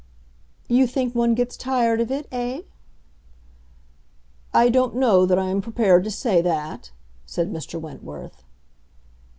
"You think one gets tired of it, eh?" "I don't know that I am prepared to say that," said Mr. Wentworth.